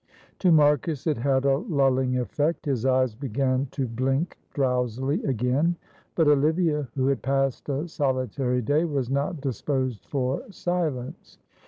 To Marcus it had a lulling effect, his eyes began to blink drowsily again, but Olivia, who had passed a solitary day, was not disposed for silence.